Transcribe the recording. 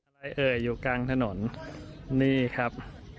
อะไรเอ่ยอยู่กลางถนนนี่ครับ